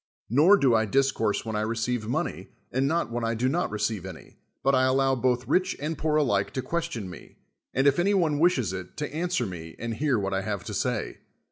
Xor do I discourse when I receive money, and riot when I do not receive any, but I allow both rich and poor alike to ques SOCRATES tion me, and, if any one wishes it, to answei me and hear what I have to say.